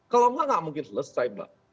kalau nggak mungkin selesai mbak